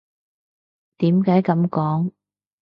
點解噉講？